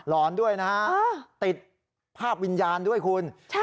อนด้วยนะฮะติดภาพวิญญาณด้วยคุณ